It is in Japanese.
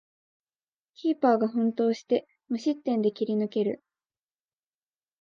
キーパーが奮闘して無失点で切り抜ける